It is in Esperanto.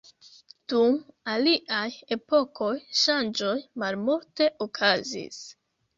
Dum aliaj epokoj, ŝanĝoj malmulte okazis.